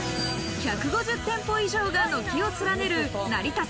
１５０店舗以上が軒を連ねる成田山